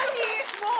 もう！